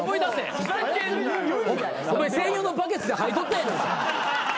お前専用のバケツで吐いとったやん。